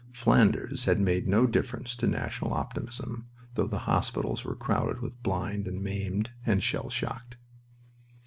Flanders had made no difference to national optimism, though the hospitals were crowded with blind and maimed and shell shocked.